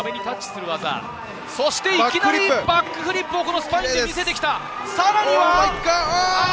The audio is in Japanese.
いきなりバックフリップをスパインで見せてきた。